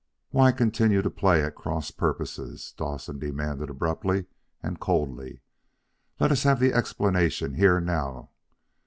"Why continue to play at cross purposes?" Dowsett demanded abruptly and coldly. "Let us have the explanation here and now.